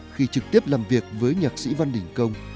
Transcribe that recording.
khi trực tiếp làm việc với nhạc sĩ văn đình công